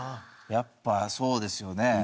やっぱそうですよね。